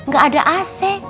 gak ada ac